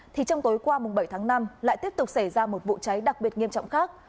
thì trong tối qua bảy tháng năm lại tiếp tục xảy ra một vụ cháy đặc biệt nghiêm trọng khác